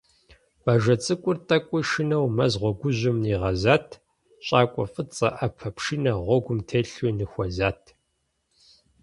Бажэ цӀыкӀур тӀэкӀуи шынэу мэз гъуэгужьым нигъэзат, щӀакӀуэ фӀыцӀэ, Ӏэпэ пшынэ гъуэгум телъу ныхуэзат.